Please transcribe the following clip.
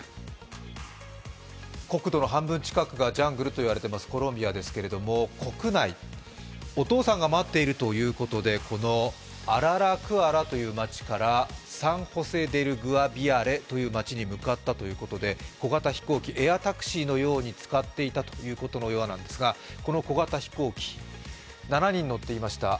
国土の半分近くがジャングルといわれていますコロンビアですがお父さんが待っているということでアララクアラという街からサン・ホセ・デル・グアビアレという街に向かったということで小型飛行機、エアタクシーのように使っていたということですがこの小型飛行機、７人乗っていました。